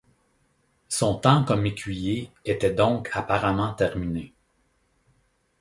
Son temps comme écuyer était donc apparemment terminé.